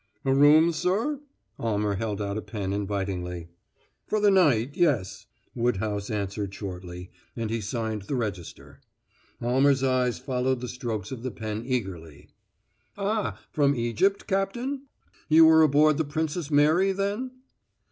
"A room, sir?" Almer held out a pen invitingly. "For the night, yes," Woodhouse answered shortly, and he signed the register. Almer's eyes followed the strokes of the pen eagerly. "Ah, from Egypt, Captain? You were aboard the Princess Mary, then?"